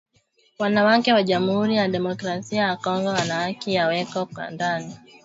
Wana wake wa jamuuri ya democratia ya congo wana aki ya weko na haki ya kuwa na kila kitu kama wana ume